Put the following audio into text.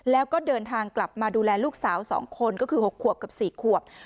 แล้วก็เดินทางกลับมาดูแลลูกสาว๒คนก็คือ๖ขวบกับ๔ขวบ